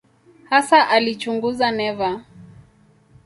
Hasa alichunguza neva.